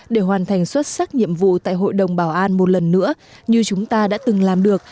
để hoàn thành xuất sắc nhiệm vụ tại hội đồng bảo an một lần nữa như chúng ta đã từng làm được